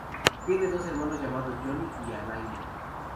Tiene dos hermanos llamados Johnny y Alaina.